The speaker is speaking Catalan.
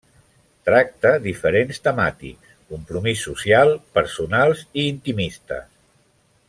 Tracta diferents temàtics: compromís social, personals i intimistes.